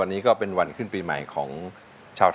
คุณแม่รู้สึกยังไงในตัวของกุ้งอิงบ้าง